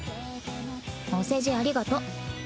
お世辞ありがと。